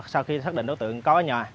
sau khi xác định đối tượng có ở nhà